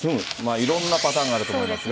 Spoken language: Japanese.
いろんなパターンがあると思いますが。